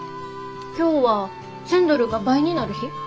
今日は１，０００ドルが倍になる日？